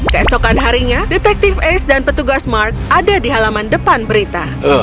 keesokan harinya detektif ace dan petugas mark ada di halaman depan berita